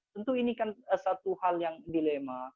tentu ini kan satu hal yang dilema